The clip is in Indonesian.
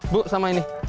bu sama ini